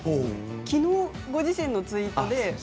きのうご自身のツイッターで＃